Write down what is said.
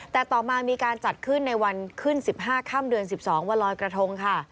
แต่ต่อมามีการจัดขึ้นในวันขึ้น๑๕ค่ำเดือน๑๒วันลอยกระทงค่ะ